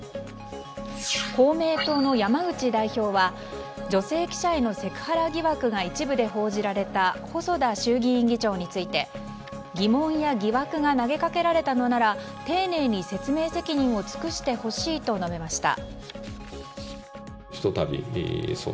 公明党の山口代表は女性記者へのセクハラ疑惑が一部で報じられた細田衆議院議長について疑問や疑惑が投げかけられたのならば丁寧に説明責任を尽くしてほしいと述べました。